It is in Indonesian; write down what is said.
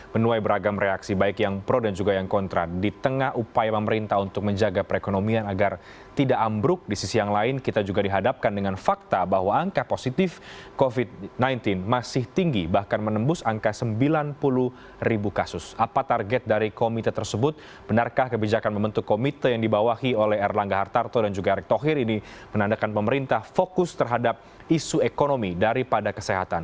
benarkah kebijakan membentuk komite yang dibawahi oleh erlangga hartarto dan juga erick thokir ini menandakan pemerintah fokus terhadap isu ekonomi daripada kesehatan